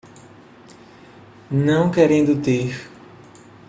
Não querendo ter